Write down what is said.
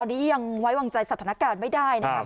ตอนนี้ยังไว้วางใจสถานการณ์ไม่ได้นะครับ